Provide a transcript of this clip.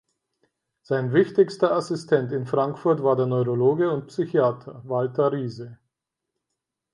Sein wichtigster Assistent in Frankfurt war der Neurologe und Psychiater Walther Riese.